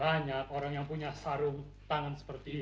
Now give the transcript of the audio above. banyak orang yang punya sarung tangan seperti ini